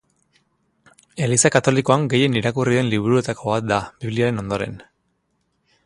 Eliza Katolikoan gehien irakurri den liburuetako bat da, Bibliaren ondoren.